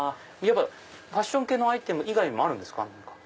やっぱファッション系のアイテム以外もあるんですか？